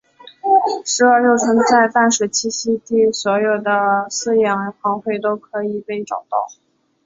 石蛾幼虫在淡水栖息地的所有饲养行会都可以被找到。